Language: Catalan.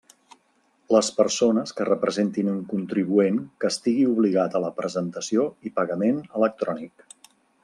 Les persones que representin un contribuent que estigui obligat a la presentació i pagament electrònic.